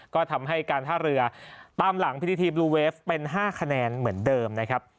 ก็ทำให้การท่าเรือตามหลังพิธีทีมบลูเวฟเป็น๕คะแนนเหมือนเดิมนะครับ